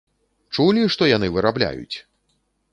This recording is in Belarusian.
Чулі, што яны вырабляюць?